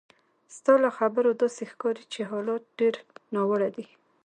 ستا له خبرو داسې ښکاري چې حالات ډېر ناوړه دي.